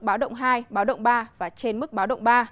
báo động hai báo động ba và trên mức báo động ba